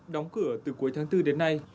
đóng cửa từ cuối tháng bốn đến nay